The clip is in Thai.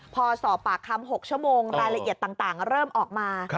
พอสอบปากคำ๖ชั่วโมงรายละเอียดต่างเริ่มออกมา